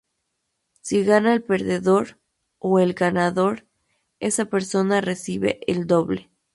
Si gana el perdedor, o el ganador, esa persona recibe el doble.